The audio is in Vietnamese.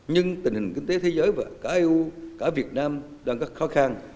nhưng tình hình kinh tế thế giới và cả eu cả việt nam đang có khó khăn